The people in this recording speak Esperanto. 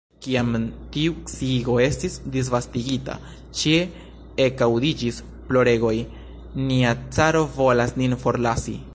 Kiam tiu sciigo estis disvastigita, ĉie ekaŭdiĝis ploregoj: "nia caro volas nin forlasi! »